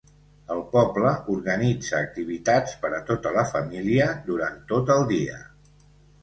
El poble organitza activitats per a tota la família durant tot el dia.